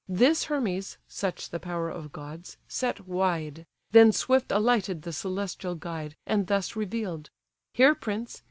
This Hermes (such the power of gods) set wide; Then swift alighted the celestial guide, And thus reveal'd—"Hear, prince!